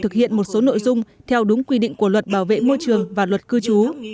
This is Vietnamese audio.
thực hiện một số nội dung theo đúng quy định của luật bảo vệ môi trường và luật cư trú